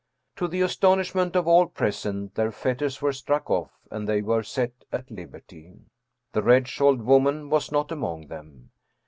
To the astonishment of all present, their fetters were struck off and they were set at liberty. The red shawled woman was not among them.